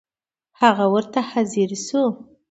هغه ورته حاضر شو.